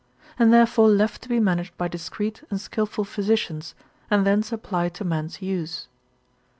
and therefore left to be managed by discreet and skilful physicians, and thence applied to man's use.